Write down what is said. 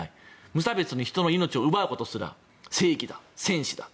無差別に人の命を奪うことすら正義だ、戦士だ。